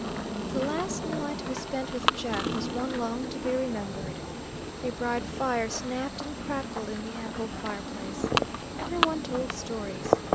The last night we spent with Jack was one long to be remembered. A bright fire snapped and crackled in the ample fireplace. Every one told stories.